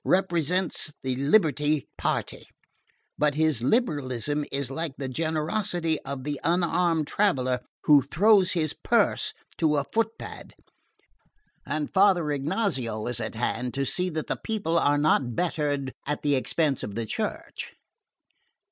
represents the liberal party; but his liberalism is like the generosity of the unarmed traveller who throws his purse to a foot pad; and Father Ignazio is at hand to see that the people are not bettered at the expense of the Church.